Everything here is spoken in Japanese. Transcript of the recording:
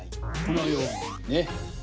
このようにね。